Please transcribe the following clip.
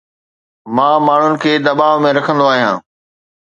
مان ماڻهن کي دٻاء ۾ رکندو آهيان